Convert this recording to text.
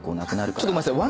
ちょっとごめんなさい。